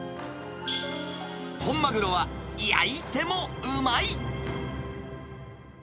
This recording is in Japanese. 本マグロは焼いてもうまい。